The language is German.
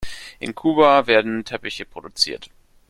In Quba werden Teppiche produziert.